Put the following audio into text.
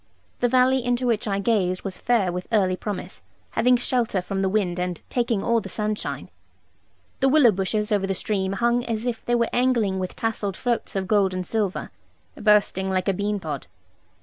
The valley into which I gazed was fair with early promise, having shelter from the wind and taking all the sunshine. The willow bushes over the stream hung as if they were angling with tasseled floats of gold and silver, bursting like a bean pod.